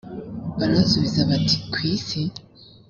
baransubiza bati ku isi